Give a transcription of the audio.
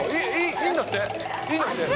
いいんだって。